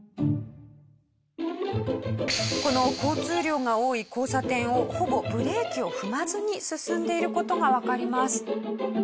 この交通量が多い交差点をほぼブレーキを踏まずに進んでいる事がわかります。